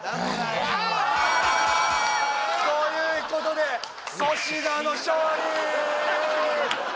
ああということで粗品の勝利！